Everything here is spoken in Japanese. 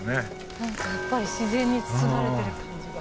何かやっぱり自然に包まれてる感じが。